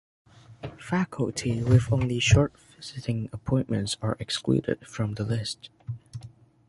Faculty with only short visiting appointments are excluded from this list.